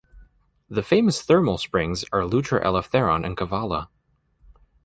The famous thermal springs are Loutra Eleftheron in Kavala.